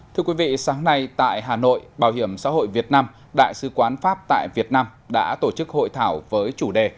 thưa quý vị sáng nay tại hà nội bảo hiểm xã hội việt nam đại sứ quán pháp tại việt nam đã tổ chức hội thảo với chủ đề